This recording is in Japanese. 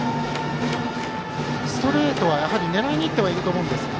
ストレートは狙いにいってはいると思うんですが。